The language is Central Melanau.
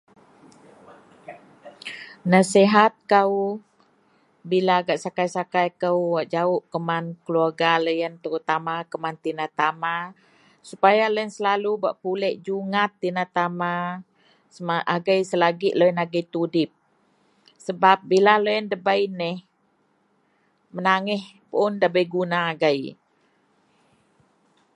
nasihat kou bila gak sakai- sakai kou wak jauh kuman keluarga loyien terutama kuman tina tama supaya loyien selalu bak pulek jugat tina tama agei selagik loyien agei tudip sebab bila loyien debei neh menagih pun debei guna agai